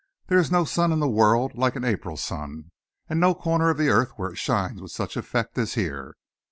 There is no sun in the world like an April sun, and no corner of the earth where it shines with such effect as here.